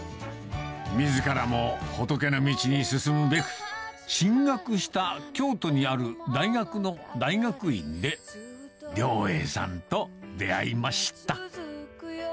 みずからも仏の道に進むべく、進学した京都にある大学の大学院で、了瑛さんと出会いました。